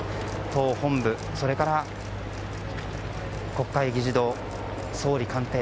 党本部、それから国会議事堂総理官邸。